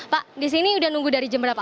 pak di sini sudah menunggu dari jam berapa